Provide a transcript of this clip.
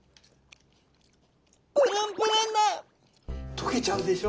溶けちゃうでしょ？